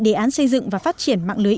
đề án xây dựng và phát triển mạng lưới